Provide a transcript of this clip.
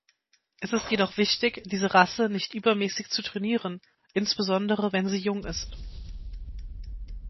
Es ist jedoch wichtig, diese Rasse nicht übermäßig zu trainieren, insbesondere wenn sie jung ist.